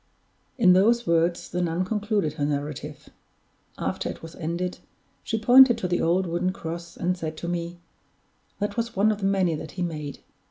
In those words the nun concluded her narrative. After it was ended, she pointed to the old wooden cross, and said to me: "That was one of the many that he made.